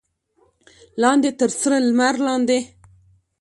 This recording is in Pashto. لاندې تر سره لمر لاندې.